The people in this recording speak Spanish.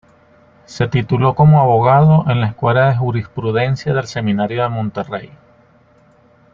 Se tituló como abogado en la Escuela de Jurisprudencia del Seminario de Monterrey.